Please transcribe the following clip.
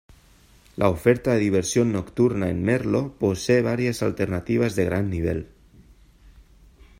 La oferta de diversión nocturna en Merlo posee varias alternativas de gran nivel.